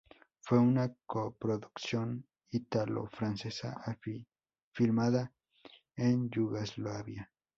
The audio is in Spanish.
Fue una coproducción ítalo-francesa, filmada en Yugoslavia.